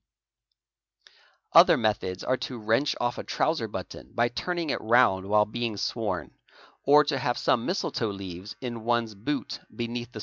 Other methods are to wrench off a trouser button by turning it round while\ being sworn or to have st me misletoe leaves in one's boot beneath the.